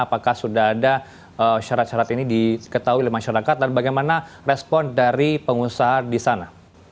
apakah sudah ada syarat syarat ini diketahui oleh masyarakat dan bagaimana respon dari pengusaha di sana